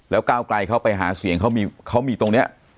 ก้าวไกลเขาไปหาเสียงเขามีตรงนี้